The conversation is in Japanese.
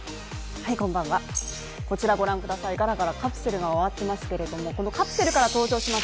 こちら御覧ください、ガラガラカプセルが回っていますけどこのカプセルから登場します